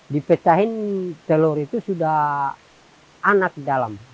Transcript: dipecahin telur itu sudah anak dalam